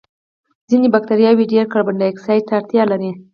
ځینې بکټریاوې ډېر کاربن دای اکسایډ ته اړتیا لري.